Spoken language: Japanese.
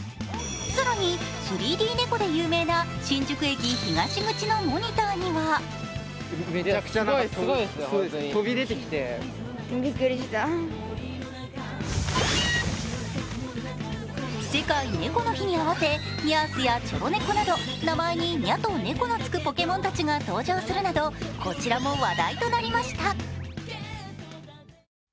更に３Ｄ猫で有名な新宿駅東口のモニターには世界猫の日に合わせニャースやチョロネコなど、名前に「ニャ」と「ネコ」のつくポケモンたちが登場するなど、こちらも話題となりました。